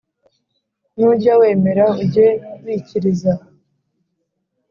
Nujya wemera ujye wikiriza